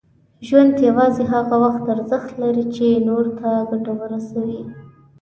ژوند یوازې هغه وخت ارزښت لري، چې نور ته ګټه ورسوي.